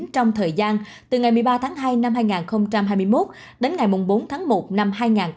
trong thời gian từ ngày một mươi ba tháng hai năm hai nghìn hai mươi một đến ngày bốn tháng một năm hai nghìn hai mươi bốn